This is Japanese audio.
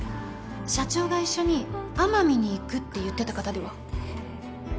社長が一緒に奄美に行くって言ってた方では？